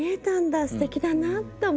すてきだなと思いました。